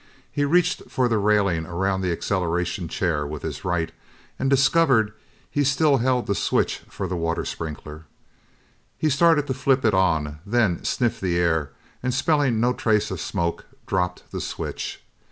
He reached for the railing around the acceleration chair with his right and discovered he still held the switch for the water sprinkler. He started to flip it on, then sniffed the air, and smelling no trace of smoke, dropped the switch.